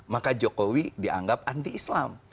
maka jokowi dianggap anti islam